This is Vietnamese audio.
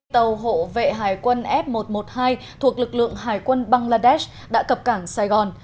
tàu hộ vệ hải quân f một trăm một mươi hai thuộc lực lượng hải quân bangladesh đã cập cảng sài gòn